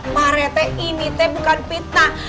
pak retek ini teh bukan fitnah